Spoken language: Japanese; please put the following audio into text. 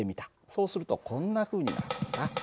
そうするとこんなふうになるんだ。